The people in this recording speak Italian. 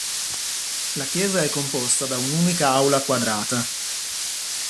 La chiesa è composta da un'unica aula quadrata.